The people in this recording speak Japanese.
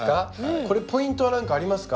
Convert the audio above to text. これポイントは何かありますか？